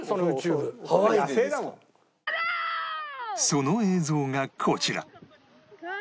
その映像がこちら